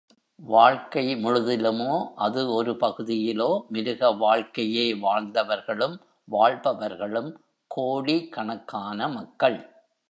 வாழ்க்கை முழுதிலுமோ, அது ஒரு பகுதியிலோ, மிருகவாழ்க்கையே வாழ்ந்தவர்களும், வாழ்பவர்களும் கோடி கணக்கான மக்கள்.